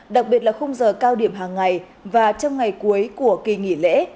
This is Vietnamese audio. đặc biệt là khung giờ cao điểm hàng ngày và trong ngày cuối của kỳ nghỉ lễ